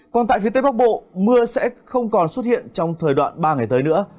còn tại phía tây bắc bộ mưa sẽ không còn xuất hiện trong thời đoạn ba ngày tới nữa